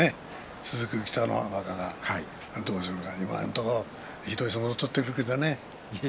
そのあと北の若がどうするのか今のところ、ひどい相撲を取っているけどね。